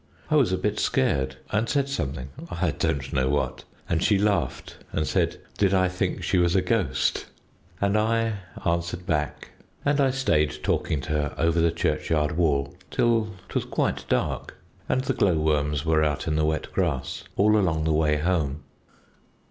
I was a bit scared and said something I don't know what and she laughed and said, 'Did I think she was a ghost?' and I answered back, and I stayed talking to her over the churchyard wall till 'twas quite dark, and the glowworms were out in the wet grass all along the way home.